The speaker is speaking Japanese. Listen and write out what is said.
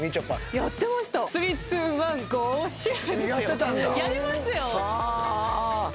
やりますよ！